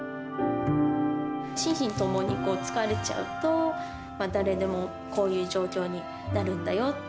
心身ともに疲れちゃうと、誰でもこういう状況になるんだよ。